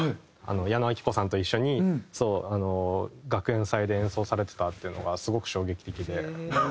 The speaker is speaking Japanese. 矢野顕子さんと一緒に学園祭で演奏されてたっていうのがすごく衝撃的で。